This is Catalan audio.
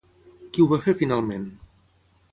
Qui ho va fer finalment?